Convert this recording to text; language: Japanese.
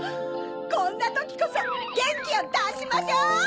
こんなときこそゲンキをだしましょう！